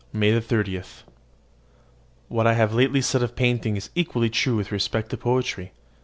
MAY 30. What I have lately said of painting is equally true with respect to poetry.